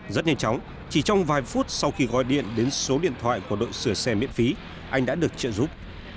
rất nhanh chóng chỉ trong vài phút sau khi gọi điện đến số điện thoại của đội sửa xe miễn phí anh đã được trợ giúp